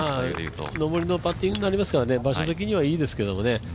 上りのパッティングになりますから場所的にはいいですけどね。